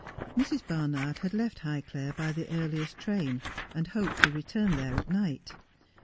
Mrs. Barnard had left Highclere by the earliest train, and hoped to return there at night.